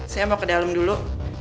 saya mau ke dalam dulu